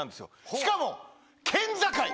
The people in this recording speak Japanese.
しかも県境。